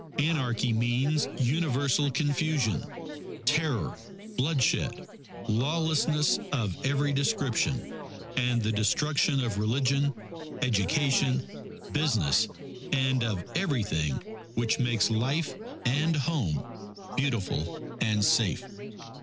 Anarchy means universal confusion, terror, bloodshed, lawlessness of every description, and the destruction of religion, education, business, and of everything which makes life and home beautiful and safe.